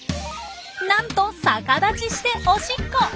なんと逆立ちしておしっこ。